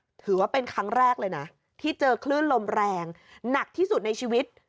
ถือว่าเป็นครั้งแรกเลยนะที่เจอคลื่นลมแรงหนักที่สุดในชีวิต